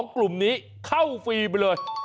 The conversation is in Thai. กลุ่มนี้เข้าฟรีไปเลย